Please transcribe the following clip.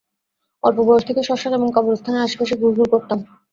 অল্প বয়স থেকেই শ্মশান এবং কবরস্থানের আশেপাশে ঘুরঘুর করতাম।